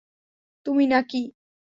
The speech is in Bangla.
তুমি না কি?